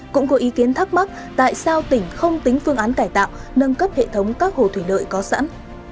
cũng có ý kiến thắc mắc tại sao tỉnh không tính phương án cải tạo nâng cấp hệ thống các hồ thủy lợi có sẵn